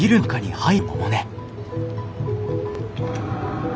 はい。